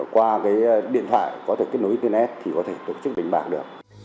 qua cái điện thoại có thể kết nối tên ad thì có thể tổ chức đánh bạc được